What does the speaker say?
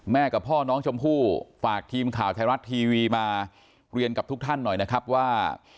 กับพ่อน้องชมพู่ฝากทีมข่าวไทยรัฐทีวีมาเรียนกับทุกท่านหน่อยนะครับว่า